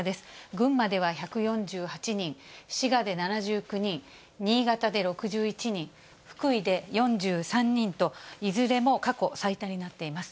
群馬では１４８人、滋賀で７９人、新潟で６１人、福井で４３人と、いずれも過去最多になっています。